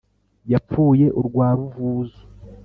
yapfuye urwa ruvuzo